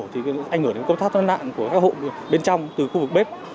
thì ảnh hưởng đến công tác thoát nạn của các hộ bên trong từ khu vực bếp